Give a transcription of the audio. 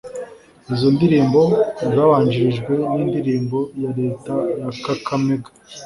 Izo ndirimbo zabanjirijwe n’indirimbo ya Leta ya Kakamega